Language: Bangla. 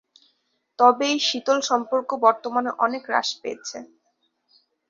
তবে এই শীতল সম্পর্ক বর্তমানে অনেক হ্রাস পেয়েছে।